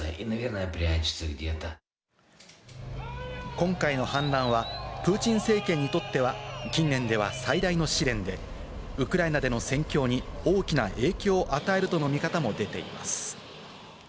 今回の反乱はプーチン政権にとっては、近年では最大の試練でウクライナでの戦況に大きな影響を与えるとの見方も出ています。